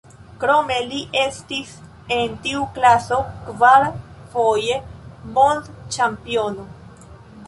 Krome li estis en tiu klaso kvar foje mondĉampiono.